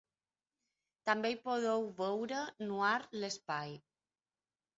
També hi podeu veure: Nuar l’espai.